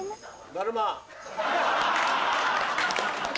だるま。